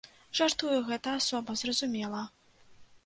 Жартую, гэта асоба, зразумела.